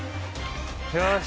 よし。